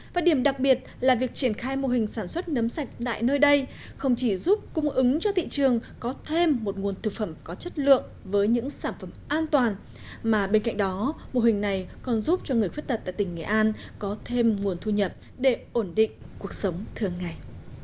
và điểm đặc biệt là việc triển khai mô hình sản xuất nấm sạch tại nơi đây không chỉ giúp cung ứng cho thị trường có thêm một nguồn thực phẩm có chất lượng với những sản phẩm an toàn mà bên cạnh đó mô hình này còn giúp cho người khuyết tật tại tỉnh nghệ an có thêm nguồn thu nhập để ổn định cuộc sống thường ngày